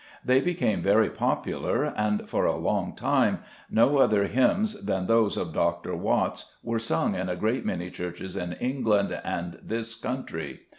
They became very popular, and for a long time no other hymns than those of Dr. Watts were sung in a great many churches in England and this country.